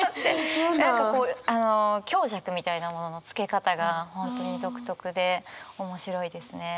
何かこう強弱みたいなもののつけ方が本当に独特で面白いですね。